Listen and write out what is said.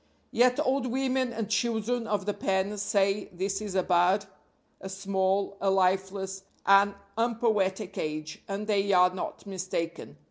Yet old women and children of the pen say, this is a bad, a small, a lifeless, an unpoetic age and they are not mistaken.